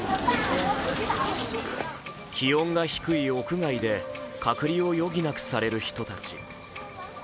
気温が低い屋外で隔離を余儀なくされる人たち。